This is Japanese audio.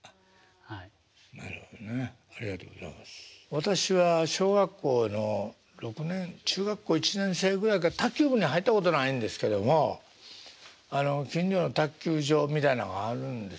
私は小学校の６年中学校１年生ぐらいから卓球部に入ったことないんですけども近所の卓球場みたいなのがあるんですあったんですね。